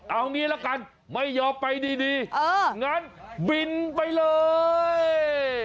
เอางี้ละกันไม่ยอมไปดีงั้นบินไปเลย